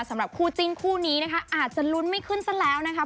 สำหรับคู่จิ้นคู่นี้นะคะอาจจะลุ้นไม่ขึ้นซะแล้วนะคะ